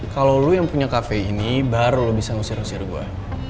kalo lo yang punya cafe ini baru lo bisa ngusir usir gue